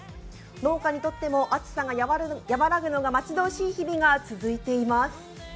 農家にとっても暑さが和らぐのが待ち遠しい日が続いています。